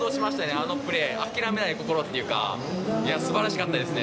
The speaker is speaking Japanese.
あのプレー、諦めない心っていうか、すばらしかったですね。